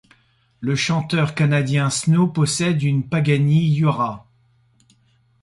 Le chanteur canadien Snow possède une Pagani Huayra.